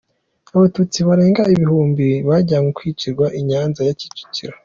Abatutsi barenga ibihumbi bajyanwe kwicirwa i Nyanza ya Kicukiro.